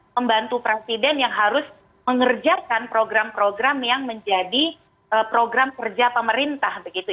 membantu presiden yang harus mengerjakan program program yang menjadi program kerja pemerintah